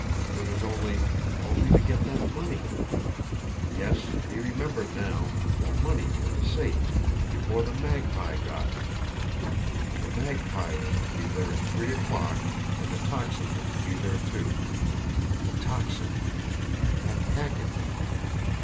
It was only only to get that money. Yes he remembered now that money from the safe, before the Magpie got it. The Magpie was to be there at three o'clock and the Tocsin was to be there, too. The Tocsin! That package!